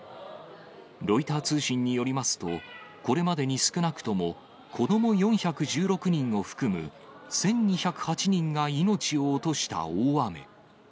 ロイター通信によりますと、これまでに少なくとも子ども４１６人を含む１２０８人が命を落とした大雨。